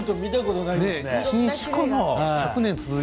品種かな？